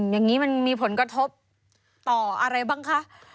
อย่างนี้มันมีผลกระทบต่ออะไรบ้างคะ